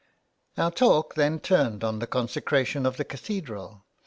Our talk then turned on the consecration of the cathedral.